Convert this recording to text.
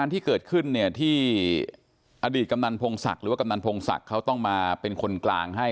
ที่เกิดขึ้นเนี่ยที่อดีตกำนันพงศักดิ์หรือว่ากำนันพงศักดิ์เขาต้องมาเป็นคนกลางให้